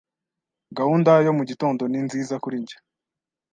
Gahunda yo mugitondo ni nziza kuri njye.